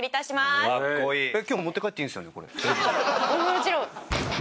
もちろん。